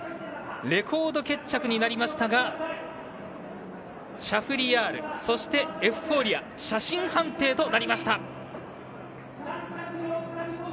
レコード決着になりましたがシャフリヤールそして、エフフォーリア写真判定となりました。